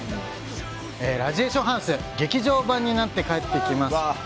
「ラジエーションハウス」劇場版になって帰ってきます。